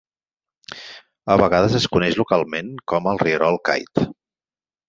A vegades es coneix localment com el "rierol Kyte".